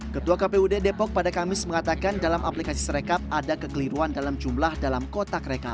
ketua kpud depok pada kamis mengatakan dalam aplikasi serekap ada kekeliruan dalam jumlah dalam kotak rekap